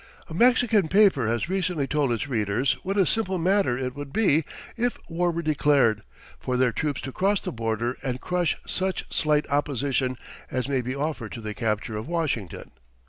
A Mexican paper has recently told its readers what a simple matter it would be, if war were declared, for their troops to cross the border and crush such slight opposition as may be offered to the capture of Washington.